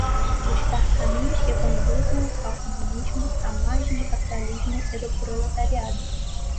buscar caminhos que conduzam ao comunismo à margem do capitalismo e do proletariado